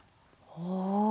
お。